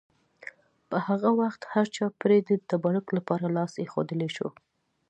په هغه وخت هرچا پرې د تبرک لپاره لاس ایښودلی شو.